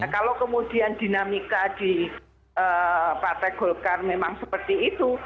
kalau kemudian dinamika di partai golkar memang seperti itu